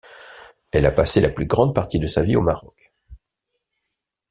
Elle a passé la plus grande partie de sa vie au Maroc.